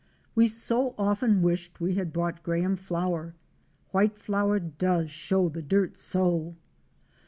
We so often wished we had brought graham flour. White flour does show the dirt so!